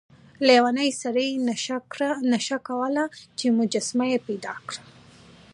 لیونی سړی نشي کولای چې مجسمې پیدا کړي.